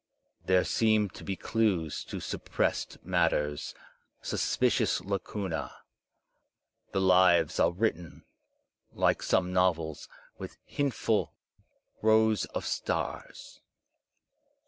There seem to he dues to suppressed matters, sus picious lacunae. The lives are written, like some novels, with hintful rows of stars.